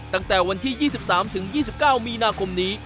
ตั้งแต่วันที่๒๓๒๙มีนาคมนี้